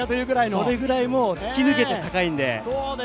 それくらい突き抜けて高いんで。